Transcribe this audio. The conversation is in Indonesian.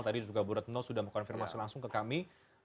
tadi juga bu retno sudah mengkonfirmasi langsung ke kami